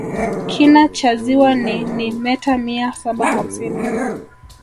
kina cha ziwa ni ni meta mia saba hamsini